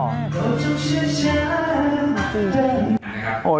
โฆษณ์